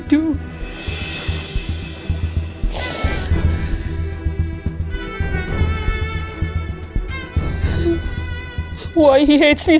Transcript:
tunggu kita pergi dulu teman